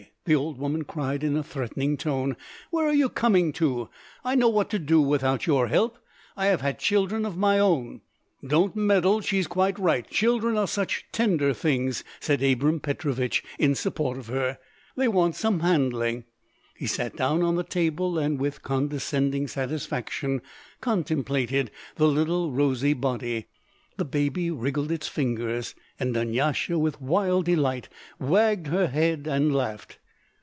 the old woman cried in a threatening tone, "where are you coming to? I know what to do without your help. I have had children of my own." "Don't meddle. She's quite right, children are such tender things," said Abram Petrovich, in support of her; "they want some handling." He sat down on the table, and with condescending satisfaction contemplated the little rosy body. The baby wriggled its fingers, and Dunyasha with wild delight wagged her head and laughed.